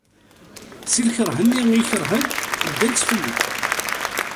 Si lkerh-nni i iyi-kerhen, ddan-tt fell-i.